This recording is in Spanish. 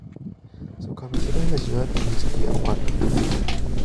Su cabecera es la ciudad de Mixquiahuala.